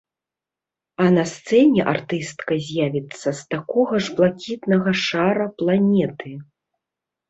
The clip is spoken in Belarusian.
А на сцэне артыстка з'явіцца з такога ж блакітнага шара-планеты.